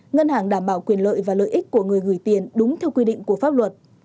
ngân hàng đảm bảo quyền lợi và lợi ích của người gửi tiền đúng theo quy định của pháp luật